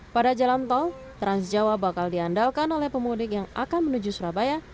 pada jalan tol trans jawa bakal diandalkan oleh pemudik yang akan menuju surabaya